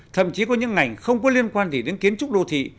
thậm chí có những ngành không có liên quan gì đến kiến trúc đô thị